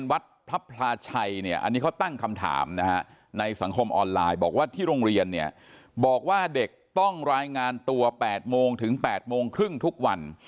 วัดพระพลาชัยเนี่ยอันนี้เขาตั้งคำถามนะฮะในสังคมออนไลน์บอกว่าที่โรงเรียนเนี่ยบอกว่าเด็กต้องรายงานตัว๘โมงถึง๘โมงครึ่งทุกวัน